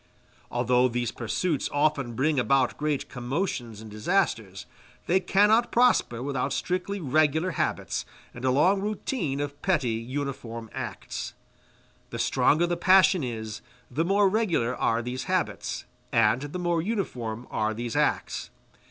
Although these pursuits often bring about great commotions and disasters, they cannot prosper without strictly regular habits and a long routine of petty uniform acts. The stronger the passion is, the more regular are these habits, and the more uniform are these acts.